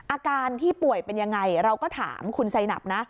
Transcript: อาการที่ป่วยเป็นยังไงเราก็ถามคุณไซนับนะ